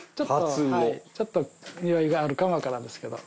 ちょっとにおいがあるかもわからんですけど。